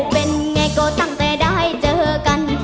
เป็นไงก็ตั้งแต่ได้เจอกัน